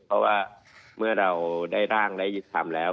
เพราะว่าเมื่อเราได้ร่างได้ทำแล้ว